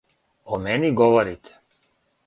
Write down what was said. О мени говорите?